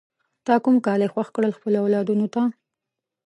تا کوم کالی خوښ کړل خپلو اولادونو ته؟